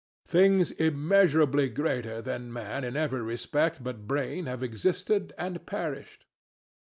Things immeasurably greater than man in every respect but brain have existed and perished.